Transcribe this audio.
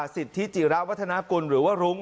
สิทธิจิระวัฒนากุลหรือว่ารุ้ง